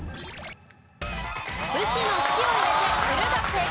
武士の「士」を入れて「売る」が正解。